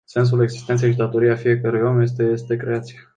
Sensul existenței și datoria fiecărui om estecreația.